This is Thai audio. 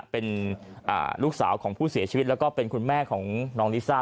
เป็นลูกสาวของผู้เสียชีวิตแล้วก็เป็นคุณแม่ของน้องลิซ่า